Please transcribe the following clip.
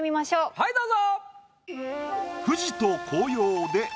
はいどうぞ！